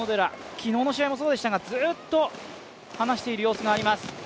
昨日の試合もそうでしたがずっと話している様子があります。